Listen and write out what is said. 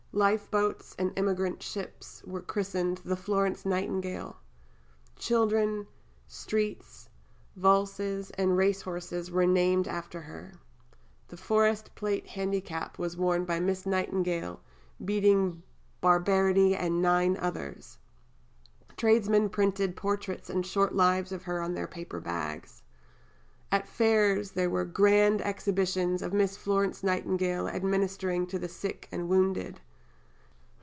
Life boats and emigrant ships were christened The Florence Nightingale. Children, streets, valses, and race horses were named after her. "The Forest Plate Handicap was won by Miss Nightingale, beating Barbarity and nine others." Tradesmen printed portraits and short lives of her on their paper bags. At Fairs there were "Grand Exhibitions of Miss Florence Nightingale administering to the Sick and Wounded."